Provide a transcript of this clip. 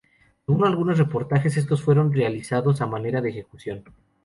Según algunos reportajes, estos fueron realizados a manera de ejecución.